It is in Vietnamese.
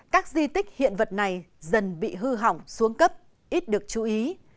các di tích hiện vật này dần bị hư hỏng xuống cấp ít được chú ý